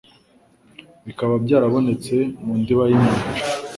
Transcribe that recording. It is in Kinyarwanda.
bikaba byarabonetse mu ndiba y'inyanja